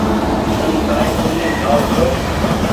تم ڪآئي ڪونيٚ کآئو ڇو۔